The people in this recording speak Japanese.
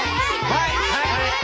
はい。